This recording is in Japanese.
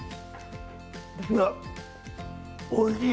おいしい！